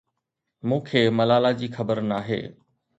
مون کي ملالا جي خبر ناهي.